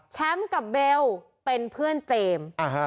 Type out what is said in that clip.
เซ็มกับเบลเป็นเพื่อนเจม